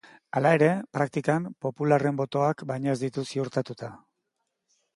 Hala ere, praktikan popularren botoak baino ez ditu ziurtatuta.